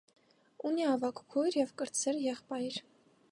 Ունի ավագ քույր և կրտսեր եղբայր։